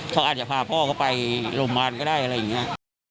เขาอาจจะพาพ่อเขาไปโรงพยาบาลก็ได้อะไรอย่างนี้